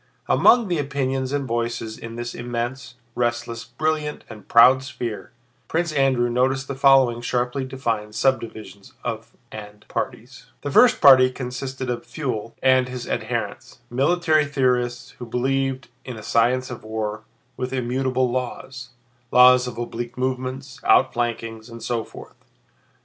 Among the opinions and voices in this immense, restless, brilliant, and proud sphere, Prince Andrew noticed the following sharply defined subdivisions of tendencies and parties: The first party consisted of Pfuel and his adherents—military theorists who believed in a science of war with immutable laws—laws of oblique movements, outflankings, and so forth.